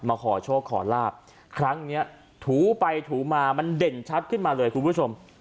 ขอโชคขอลาบครั้งเนี้ยถูไปถูมามันเด่นชัดขึ้นมาเลยคุณผู้ชม